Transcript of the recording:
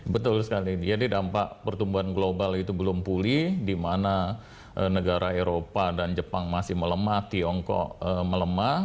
betul sekali jadi dampak pertumbuhan global itu belum pulih di mana negara eropa dan jepang masih melemah tiongkok melemah